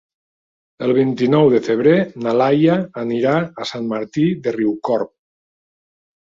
El vint-i-nou de febrer na Laia anirà a Sant Martí de Riucorb.